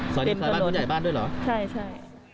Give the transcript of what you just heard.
ซอยบ้านผู้ใหญ่บ้านด้วยเหรอใช่